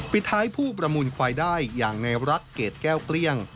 ปิดท้ายผู้ประมูลควายได้อย่างในรักเกรดแก้วเกลี้ยง